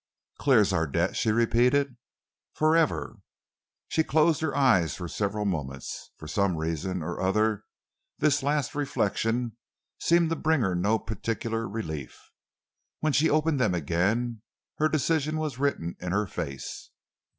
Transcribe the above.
"Clears our debt," she repeated. "For ever!" She closed her eyes for several moments. For some reason or other, this last reflection seemed to bring her no particular relief. When she opened them again, her decision was written in her face.